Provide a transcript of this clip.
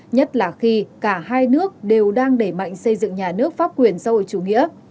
nhất là khi cả hai nước đều đang đẩy mạnh xây dựng nhà nước pháp quyền xã hội chủ nghĩa